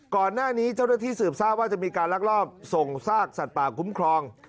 ก่อนหน้านี้เจ้าหน้าที่สืบทราบว่าจะมีการลักลอบส่งซากสัตว์ป่าคุ้มครอง